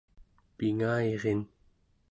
Pingayirin